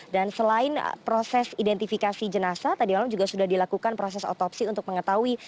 selain proses identifikasi jenazah tadi malam juga sudah dilakukan proses otopsi untuk mengetahui